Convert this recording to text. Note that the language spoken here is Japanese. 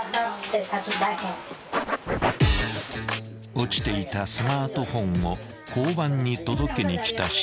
［落ちていたスマートフォンを交番に届けに来た親切な男女］